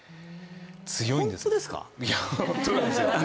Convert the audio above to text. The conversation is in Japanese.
強いんです。